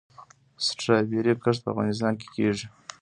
د سټرابیري کښت په افغانستان کې کیږي؟